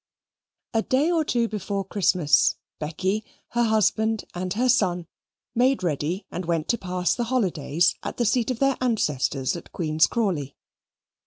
A day or two before Christmas, Becky, her husband and her son made ready and went to pass the holidays at the seat of their ancestors at Queen's Crawley.